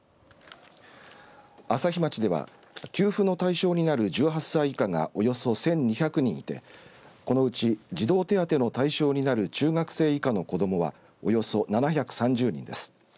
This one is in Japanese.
朝日町では給付の対象になる１８歳以下がおよそ１２００人いてこのうち児童手当の対象になる中学生以下の子どもはおよそ７３０人です。